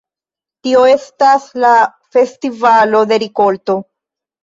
Tio estas la festivalo de rikolto.